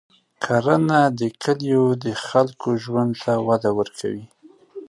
کرنه د کلیو د خلکو ژوند ته وده ورکوي.